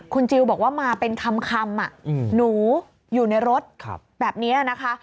คุณจิลบอกว่ามาเป็นคำหนูอยู่ในรถแบบนี้นะคะ